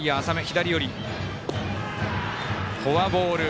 フォアボール。